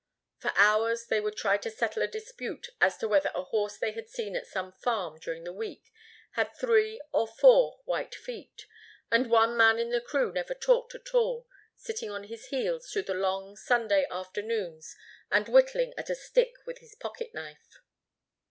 For hours they would try to settle a dispute as to whether a horse they had seen at some farm during the week had three, or four, white feet, and one man in the crew never talked at all, sitting on his heels through the long Sunday afternoons and whittling at a stick with his pocket knife.